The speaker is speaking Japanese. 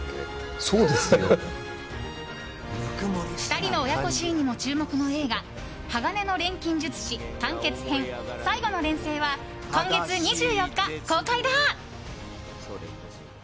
２人の親子シーンにも注目の映画「鋼の錬金術師完結編最後の錬成」は今月２４日公開だ。